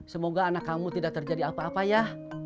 semoga anak kamu tidak terjadi apa apa ya